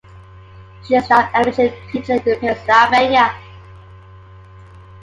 She is now an elementary teacher in Pennsylvania.